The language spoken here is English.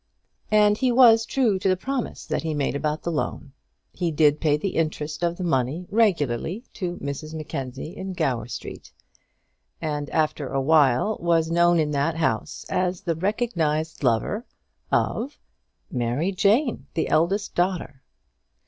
And he was true to the promise that he made about the loan. He did pay the interest of the money regularly to Mrs Mackenzie in Gower Street, and after a while was known in that house as the recognised lover of Mary Jane, the eldest daughter.